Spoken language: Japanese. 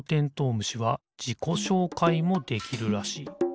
むしはじこしょうかいもできるらしい。